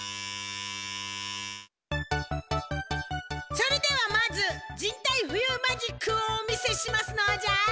それではまず人体ふゆうマジックをお見せしますのじゃ！